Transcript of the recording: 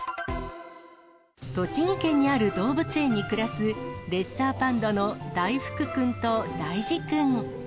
栃木県にある動物園に暮らすレッサーパンダの大福くんと大事くん。